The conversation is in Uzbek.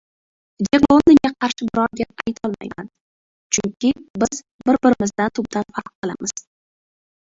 Jek Londonga qarshi biror gap aytolmayman. Chunki biz bir-birimizdan tubdan farq qilamiz.